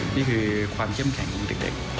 นี่คือความเข้มแข็งของเด็ก